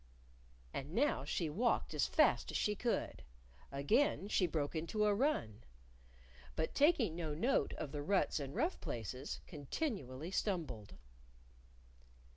And now she walked as fast as she could; again she broke into a run; but taking no note of the ruts and rough places, continually stumbled.